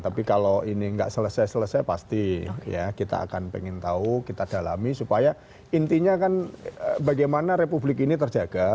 tapi kalau ini nggak selesai selesai pasti ya kita akan pengen tahu kita dalami supaya intinya kan bagaimana republik ini terjaga